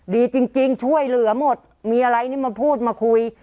ดีจริงช่วยเหลือหมดมีอะไรนี่มาพูดมาคุย